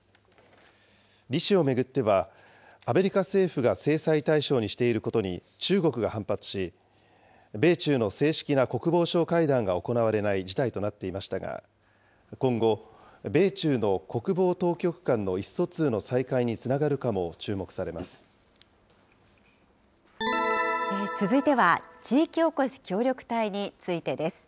李氏を巡っては、アメリカ政府が制裁対象にしていることに中国が反発し、米中の正式な国防相会談が行われない事態となっていましたが、今後、米中の国防当局間の意思疎通の再開につながるかも注目され続いては地域おこし協力隊についてです。